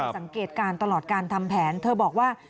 สังเกตการณ์ตลอดการทำแผนเธอบอกว่า